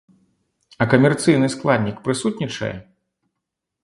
А камерцыйны складнік прысутнічае?